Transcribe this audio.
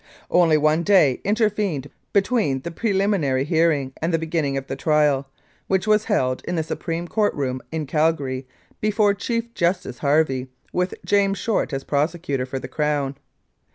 "Only one day intervened between the preliminary hearing and the beginning of the trial, which was held in the supreme court room in Calgary, before Chief Justice Harvey, with James Short as prosecutor for the Crown.